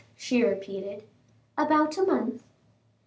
she repeated. "About a month."